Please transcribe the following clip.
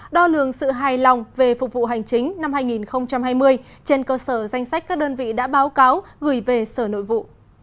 đo lường sự hài lòng về phục vụ hành chính năm hai nghìn hai mươi trên cơ sở danh sách các đơn vị đã báo cáo gửi về sở nội vụ